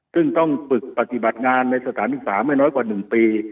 ซึ่งต้องฝึกปฏิบัติงานในสถานศึกษาไม่น้อยกว่า๑ปี